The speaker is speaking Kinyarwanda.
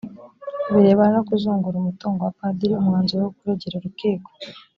birebana no kuzungura umutungo wa padiri umwanzuro wo kuregera urukiko